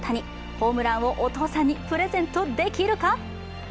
ホームランをお父さんにプレゼントできるか？